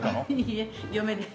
いいえ嫁で。